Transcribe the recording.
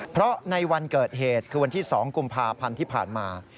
เพราะในวันเกิดเหตุคือวันที่๒กุมภาพันธ์ที่ผ่านมา